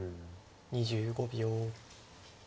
２５秒。